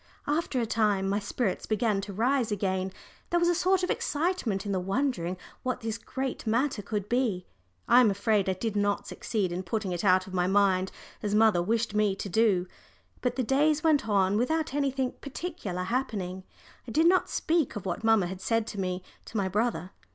After a time my spirits began to rise again there was a sort of excitement in the wondering what this great matter could be. I am afraid I did not succeed in putting it out of my mind as mamma wished me to do. But the days went on without anything particular happening. I did not speak of what mamma had said to me to my brother.